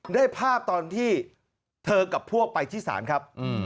ได้ภาพตอนที่เธอกับพวกไปที่ศาลครับ